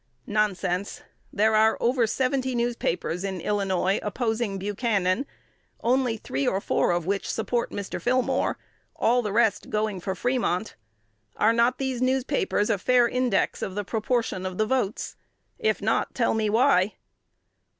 Nonsense! There are over seventy newspapers in Illinois opposing Buchanan, only three or four of which support Mr. Fillmore, all the rest going for Fremont. Are not these newspapers a fair index of the proportion of the votes? If not, tell me why.